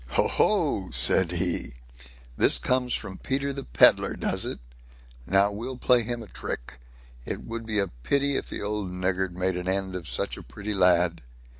"Ho! ho!" said he; "this comes from Peter the Pedlar, does it? Now we'll play him a trick. It would be a pity if the old niggard made an end of such a pretty lad."